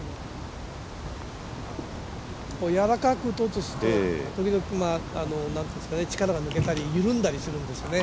やわらかく打つと、時々力が抜けたり緩んだりするんですよね。